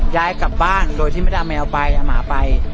ย้ายกลับบ้านโดยที่ไม่ได้เอาแมวไปเอาหมาไป